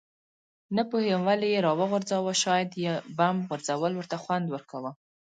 نه پوهېږم ولې یې راوغورځاوه، شاید بم غورځول ورته خوند ورکاوه.